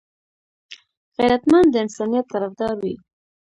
غیرتمند د انسانيت طرفدار وي